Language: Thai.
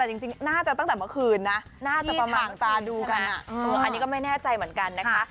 แต่จริงน่าจะตั้งแต่เมื่อคืนนะน่าจะประมาณตาดูกันอันนี้ก็ไม่แน่ใจเหมือนกันนะคะ